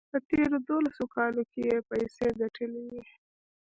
په تېرو دولسو کالو کې یې پیسې ګټلې وې.